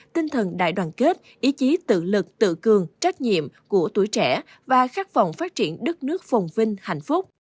tinh thần đại đoàn kết ý chí tự lực tự cường trách nhiệm của tuổi trẻ và khát vọng phát triển đất nước phồng vinh hạnh phúc